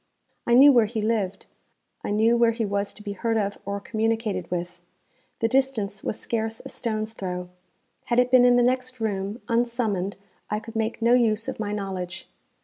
I knew where he lived; I knew where he was to be heard of or communicated with. The distance was scarce a stone's throw. Had it been in the next room, unsummoned I could make no use of my knowledge.